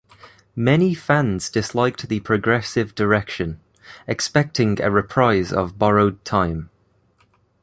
Many fans disliked the progressive direction, expecting a reprise of "Borrowed Time".